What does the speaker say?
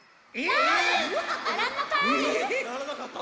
ならなかった。